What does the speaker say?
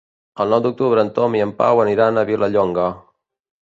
El nou d'octubre en Tom i en Pau aniran a Vilallonga.